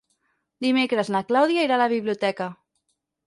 Dimecres na Clàudia irà a la biblioteca.